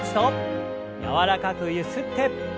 柔らかくゆすって。